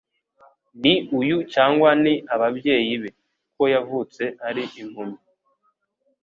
ni uyu cyangwa ni ababyeyi be, ko yavutse ari impumyi?